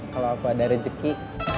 kalau aku ada rezeki